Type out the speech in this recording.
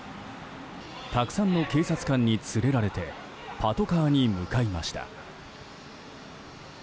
たくさんの警察官に連れられてパトカーに向かいました。